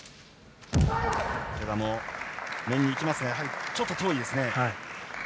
池田も面にいきますがちょっと遠いですね。